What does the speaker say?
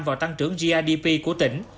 vào tăng trưởng grdp của tỉnh